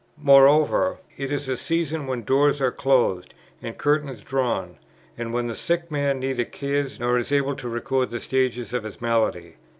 Moreover, it is a season when doors are closed and curtains drawn, and when the sick man neither cares nor is able to record the stages of his malady.